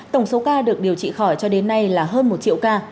tổng số ca được điều trị khỏi cho đến nay là hơn một triệu ca